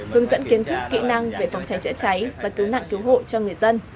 hướng dẫn kiến thức kỹ năng về phòng cháy chữa cháy và cứu nạn cứu hộ cho người dân